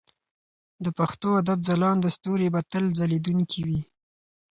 د پښتو ادب ځلانده ستوري به تل ځلېدونکي وي.